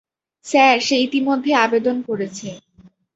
Sir, সে ইতিমধ্যেই আবেদন করেছে।